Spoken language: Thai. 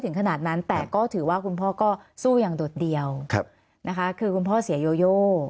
ขนาดนั้นแต่ก็ถือว่าคุณพ่อก็สู้อย่างโดดเดียวนะคะคือคุณพ่อเสียโยโย